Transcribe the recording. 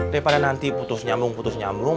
daripada nanti putus nyamlung putus nyamlung